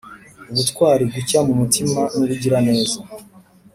ubutwari, gucya ku mutima, n' ubugiraneza